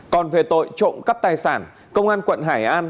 còn về tội trộm cắp tài sản công an quận hải an